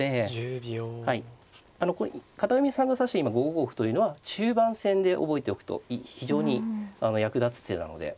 あのこれ片上さんが指した今５五歩というのは中盤戦で覚えておくと非常に役立つ手なので。